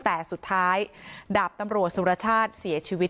แต่สุดท้ายดาบตำรวจสุรชาติเสียชีวิต